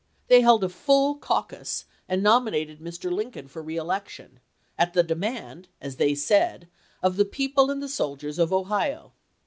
They held a full caucus, and nominated Mr. Lincoln for reelec tion, at the demand, as they said, of the people and the soldiers of Ohio.